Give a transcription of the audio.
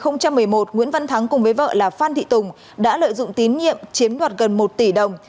năm hai nghìn một mươi một nguyễn văn thắng cùng với vợ là phan thị tùng đã lợi dụng tín nhiệm chiếm đoạt gần một tỷ đồng